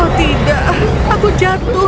oh tidak aku jatuh